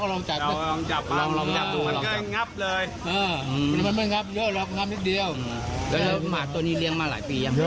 ก็คือตั้งคำนอนแต่มันสูงเล็กอ่ะ